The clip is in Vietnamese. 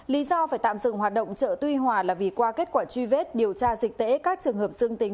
lý do phải tạm dừng hoạt động chợ tuy hòa là vì qua kết quả truy vết điều tra dịch tễ các trường hợp dương tính